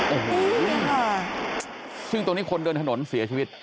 โอ้โหซึ่งตรงนี้คนเดินถนนเสียชีวิต